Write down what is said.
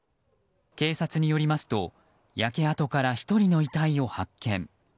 警察によりますと焼け跡から１人の遺体を発見。